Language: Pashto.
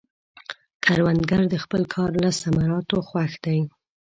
کروندګر د خپل کار له ثمراتو خوښ دی